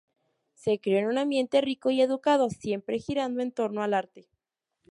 Se crio en un ambiente rico y educado, siempre girando en torno al arte.